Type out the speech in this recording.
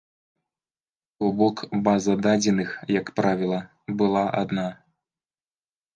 То бок база дадзеных, як правіла, была адна.